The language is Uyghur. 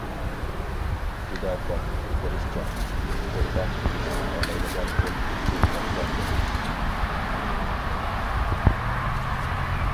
پىداكار، تىرىشچان، قۇربان بېرىشنى خالايدىغان بىر تۈركۈم ياشلار بولۇش.